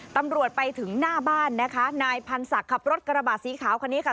ตำรวจไปถึงหน้าบ้านนะคะนายพันศักดิ์ขับรถกระบะสีขาวคันนี้ค่ะ